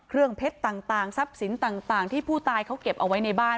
เครื่องเพชรต่างต่างทรัพย์สินต่างต่างที่ผู้ตายเขาเก็บเอาไว้ในบ้าน